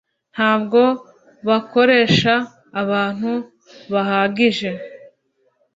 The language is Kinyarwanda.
ntabwo bakoresha abantu bahagije